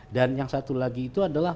dan yang satu lagi itu adalah